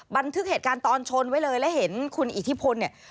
บันทึกเหตุการณ์ตอนชนไว้เลยแล้วเห็นคุณอิทธิพลเนี่ย